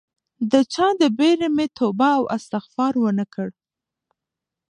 د چا د بیرې مې توبه او استغفار ونه کړ